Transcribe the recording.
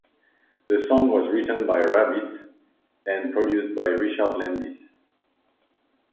The song was written by Rabbitt and produced by Richard Landis.